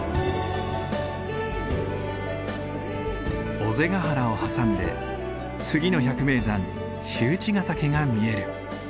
尾瀬ヶ原を挟んで次の百名山燧ヶ岳が見える。